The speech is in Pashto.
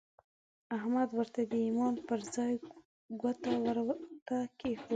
احمد ورته د ايمان پر ځای ګوته ورته کېښوده.